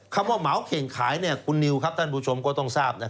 คำว่าเหมาเข่งขายคุณนิวครับท่านผู้ชมก็ต้องทราบ